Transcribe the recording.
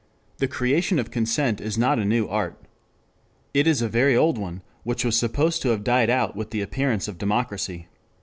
The creation of consent is not a new art. It is a very old one which was supposed to have died out with the appearance of democracy.